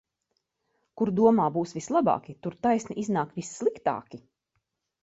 Kur domā būs vislabāki, tur taisni iznāk vissliktāki.